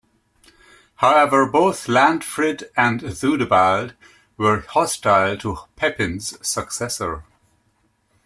However, both Lantfrid and Theudebald were hostile to Pepin's successor.